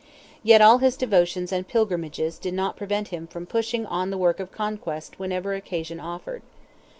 Yet all his devotions and pilgrimages did not prevent him from pushing on the work of conquest whenever occasion offered.